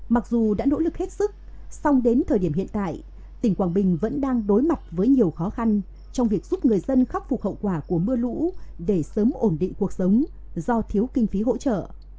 mặc dù đã nỗ lực hết sức song đến thời điểm hiện tại tỉnh quảng bình vẫn đang đối mặt với nhiều khó khăn trong việc giúp người dân khắc phục hậu quả của mưa lũ để sớm ổn định cuộc sống do thiếu kinh phí hỗ trợ